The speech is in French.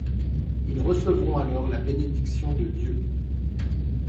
Ils recevront alors la bénédiction de Dieu.